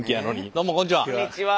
どうもこんにちは。